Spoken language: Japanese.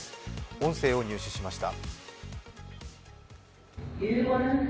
音声を入手しました。